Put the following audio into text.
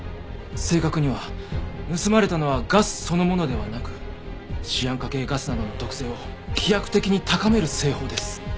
正確には盗まれたのはガスそのものではなくシアン化系ガスなどの毒性を飛躍的に高める製法です。